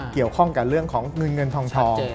เกี่ยวข้องกับเรื่องของเงินเงินทอง